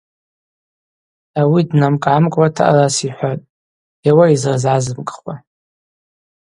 Ауи днамкӏ-гӏамкӏуата араса йхӏватӏ: –Йауа йызрызгӏзымгхуа.